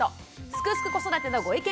「すくすく子育て」のご意見